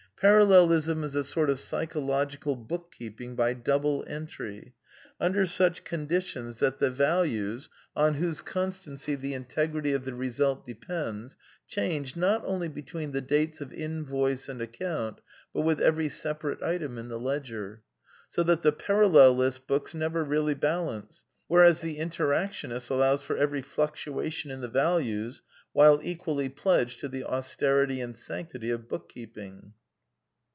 Parallelism is a sort of psychological book keeping by double entry, under such conditions that the values, on 106 A DEFENCE OF IDEALISM whose constancy the integrity of the result depends, change, not only between the dates of invoice and account, but with every separate item in the ledger. So that the parallelist's books never really balance. Whereas the Interactionist allows for every fluctuation in the values, while equally pledged to the austerity and sanctity of book keeping.